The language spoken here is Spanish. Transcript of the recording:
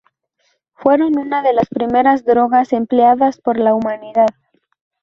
Fueron una de las primeras drogas empleadas por la humanidad.